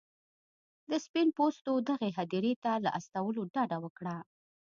د سپین پوستو دغې هدیرې ته له استولو ډډه وکړه.